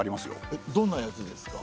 えっどんなやつですか？